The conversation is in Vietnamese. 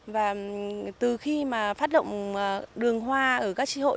và từ khi mà phát động đường hoa ở các trí hội